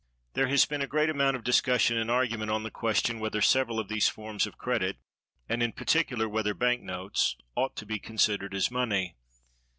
There has been a great amount of discussion and argument on the question whether several of these forms of credit, and in particular whether bank notes, ought to be considered as money.